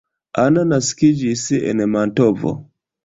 Anna naskiĝis en Mantovo.